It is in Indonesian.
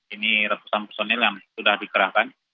ini ratusan personil yang sudah dikerahkan